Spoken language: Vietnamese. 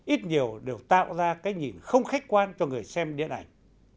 ít nhiều đều tạo ra cái nhìn không khách quan cho người xem điện ảnh